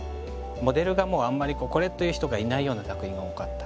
モデルがあんまりこれという人がいないような作品が多かった。